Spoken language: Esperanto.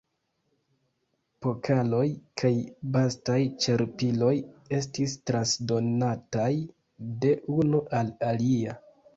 Pokaloj kaj bastaj ĉerpiloj estis transdonataj de unu al alia.